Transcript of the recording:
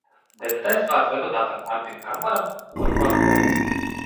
Debatēs vārds deputātam Artim Kamparam, otro reizi.